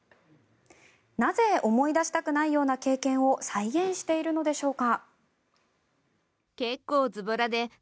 なぜ思い出したくないような経験を再現しているのでしょうか。